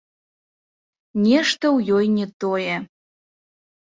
Нешта ў ёй не тое.